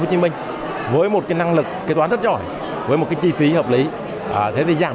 hồ chí minh với một cái năng lực kế toán rất giỏi với một cái chi phí hợp lý thế thì rằng